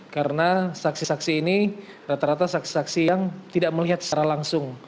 karena saksi saksi ini rata rata saksi saksi yang tidak melihat secara langsung